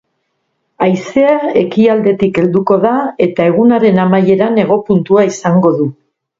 Haizea ekialdetik helduko da, eta egunaren amaieran hego puntua izango du.